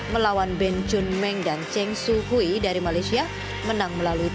melawan ben chun meng dan cheng su hui dari malaysia menang melalui tiga set